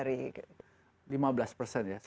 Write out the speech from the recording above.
itu berapa persen dari